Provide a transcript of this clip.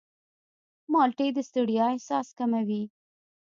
مالټې د ستړیا احساس کموي.